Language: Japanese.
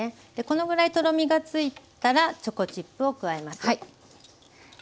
このぐらいとろみがついたらチョコチップを加えます。